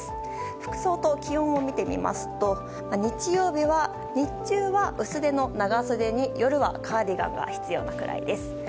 服装と気温を見てみますと日曜日は薄手の長袖に夜はカーディガンが必要なくらいです。